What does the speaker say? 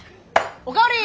おかわり！